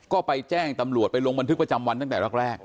ก็ไปแจ้งตำรวจไปลงบันทึกประจำวันตั้งแต่แรก